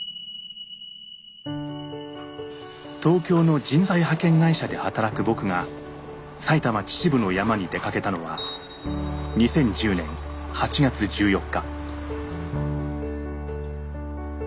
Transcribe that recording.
東京の人材派遣会社で働く僕が埼玉・秩父の山に出かけたのは２０１０年８月１４日。